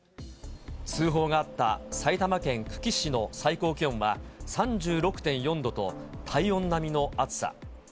通報があった埼玉県久喜市の最高気温は３６．４度と、体温並みの暑さ。